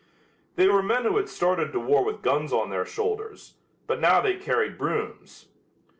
They were men who had started to war with guns on their shoulders, but now they carried brooms.